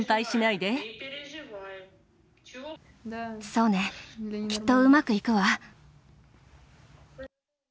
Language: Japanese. そうね、きっとうまくいくわ。